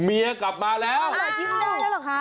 เมียกลับมาแล้วครับยืนได้หรือครับ